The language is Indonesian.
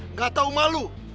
nggak tahu malu